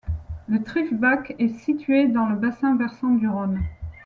Le Triftbach est situé dans le bassin versant du Rhône.